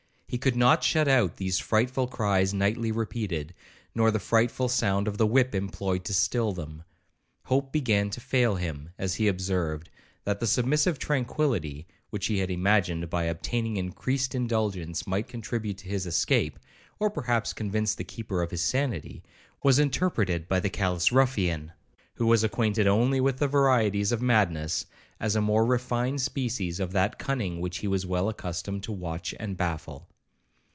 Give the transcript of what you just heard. He could not shut out these frightful cries nightly repeated, nor the frightful sound of the whip employed to still them. Hope began to fail him, as he observed, that the submissive tranquillity (which he had imagined, by obtaining increased indulgence, might contribute to his escape, or perhaps convince the keeper of his sanity) was interpreted by the callous ruffian, who was acquainted only with the varieties of madness, as a more refined species of that cunning which he was well accustomed to watch and baffle.